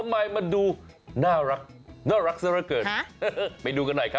เหมือนห้องนอนเด็กเลยอ่ะ